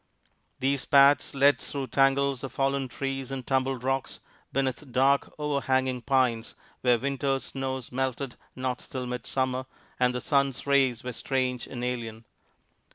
These paths led through tangles of fallen trees and tumbled rocks, beneath dark, overhanging pines where winter's snows melted not till midsummer, and the sun's rays were strange and alien.